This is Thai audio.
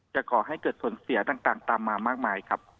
ก่อให้เกิดผลเสียต่างตามมามากมายครับ